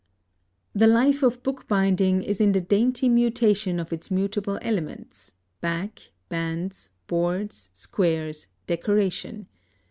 The life of bookbinding is in the dainty mutation of its mutable elements back, bands, boards, squares, decoration.